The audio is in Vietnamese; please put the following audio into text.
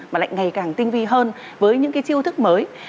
mà lại ngày càng tinh vi hơn với những cái chiêu thức mới